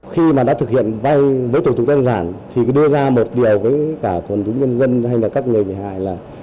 khi mà đã thực hiện vây với thủ tục đơn giản thì đưa ra một điều với cả phần chúng nhân dân hay là các người bị hại là